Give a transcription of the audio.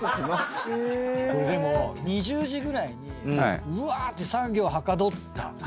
これでも２０時ぐらいにうわーって作業はかどった。